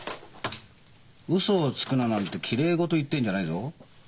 「ウソをつくな」なんてきれい事を言ってんじゃないぞ。